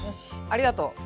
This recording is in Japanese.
ありがとう！ＯＫ。